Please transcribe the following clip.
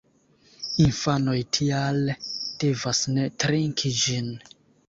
Infanoj tial devas ne trinki ĝin.